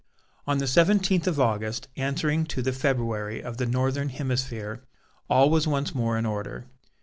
On the seventeenth of August, answering to the February of the northern hemisphere, all was once more in order.